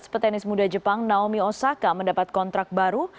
petenis muda jepang naomi osaka mendapat kontrak baru